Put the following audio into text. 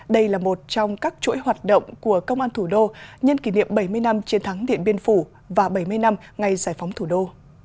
đây là một trong các chuỗi hoạt động của công an thủ đô nhân kỷ niệm bảy mươi năm chiến thắng điện biên phủ và bảy mươi năm ngày giải phóng thủ đô